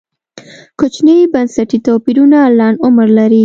کوچني بنسټي توپیرونه لنډ عمر لري.